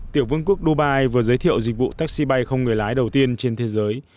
tiểu vương quốc dubai vừa giới thiệu dịch vụ taxi bay không người lái đầu tiên trên thế giới